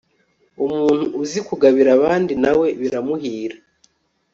umuntu uzi kugabira abandi, na we biramuhira